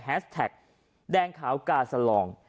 แท็กแดงขาวกาสลอง